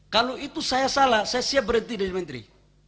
kalau itu saya salah saya siap berhenti jadi menteri